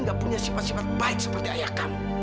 gak punya sifat sifat baik seperti ayah kamu